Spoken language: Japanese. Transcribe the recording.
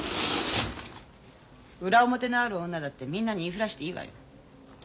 裏表のある女だってみんなに言いふらしていいわよ。